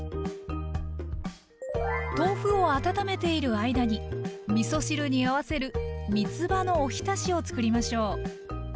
豆腐を温めている間にみそ汁に合わせるみつばのおひたしをつくりましょう。